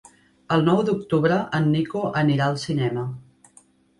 El nou d'octubre en Nico anirà al cinema.